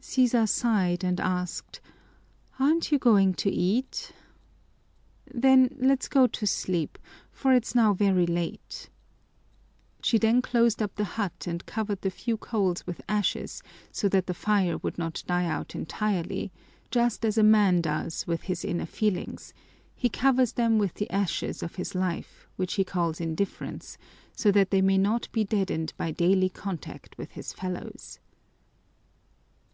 Sisa sighed and asked, "Aren't you going to eat? Then let's go to sleep, for it's now very late." She then closed up the hut and covered the few coals with ashes so that the fire would not die out entirely, just as a man does with his inner feelings; he covers them with the ashes of his life, which he calls indifference, so that they may not be deadened by daily contact with his fellows.